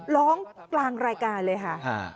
ร้องกลางรายการเลยค่ะ